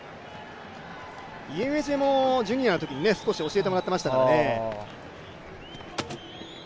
イエメジェもジュニアのときに教えてもらってましたからね。